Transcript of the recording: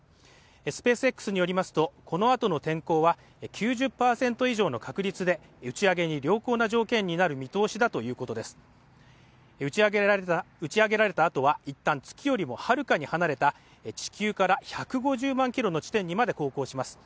スペースＸ社によりますとこのあとの天候は９０％以上の確率で打ち上げに良好な条件になる見通しだということです打ち上げられたあとはいったん月よりもはるかに離れた地球から１５０万キロの地点にまで航行します